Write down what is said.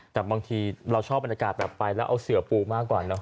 แต่บางทีเราชอบบรรยากาศแบบไปแล้วเอาเสือปูมากกว่าเนอ